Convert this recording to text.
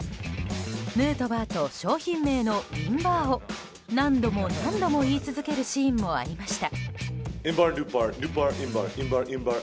ヌートバーと商品名のｉｎバーを何度も何度も言い続けるシーンもありました。